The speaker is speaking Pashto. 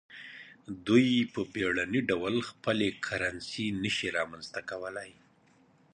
دوی په بیړني ډول خپله کرنسي نشي رامنځته کولای.